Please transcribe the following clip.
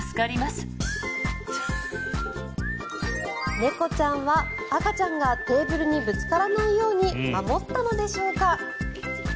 猫ちゃんは赤ちゃんがテーブルにぶつからないように守ったのでしょうか。